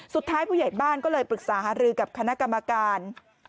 ผู้ใหญ่บ้านก็เลยปรึกษาหารือกับคณะกรรมการ